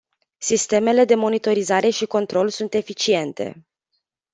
Sistemele de monitorizare și control sunt eficiente.